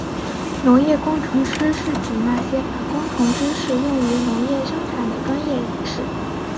农业工程师是指那些把工程知识用于农业生产的专业人士。